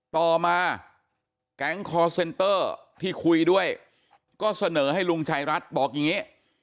ต่อมาแก๊งคอร์เซนเตอร์ที่คุยด้วยก็เสนอให้ลุงชายรัฐบอกอย่างนี้